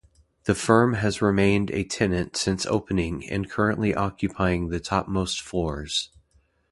The firm has remained a tenant since opening and currently occupying the topmost floors.